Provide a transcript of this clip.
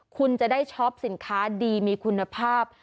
คุณจะได้ช็อปสินค้าดีมีคุณภาพ